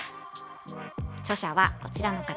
著者は、こちらの方。